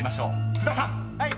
津田さん］